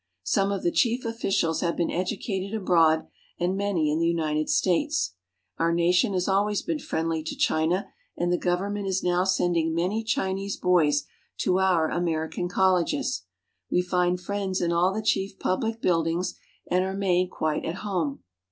Some of the chief officials have been educated abroad and many in the United States. Our nation has always been friendly to China, and the government is now sending many Chinese boys to our THE GOVERNMENT AND THE SCHOOLS 13I American colleges. We find friends in all the chief public buildings, and are made quite at home.